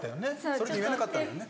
それで言えなかったんだよね。